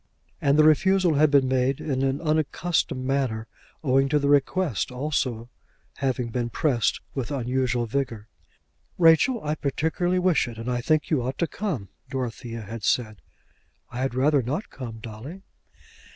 And the refusal had been made in an unaccustomed manner, owing to the request also having been pressed with unusual vigour. "Rachel, I particularly wish it, and I think that you ought to come," Dorothea had said. "I had rather not come, Dolly."